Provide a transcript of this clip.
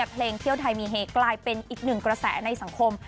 เพลงเที่ยวไทยมีเฮกลายเป็นอีกหนึ่งกระแสในสังคม